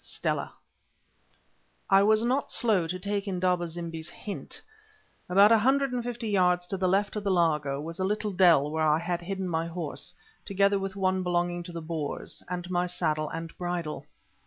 STELLA I was not slow to take Indaba zimbi's hint. About a hundred and fifty yards to the left of the laager was a little dell where I had hidden my horse, together with one belonging to the Boers, and my saddle and bridle.